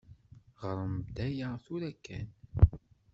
Ɣṛem-d aya tura kan.